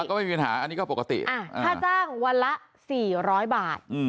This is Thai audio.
ก็ไม่มีปัญหาอันนี้ก็ปกติค่าจ้างวันละ๔๐๐บาท